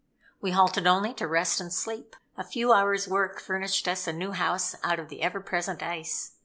We halted only to rest and sleep. A few hours work furnished us a new house out of the ever present ice.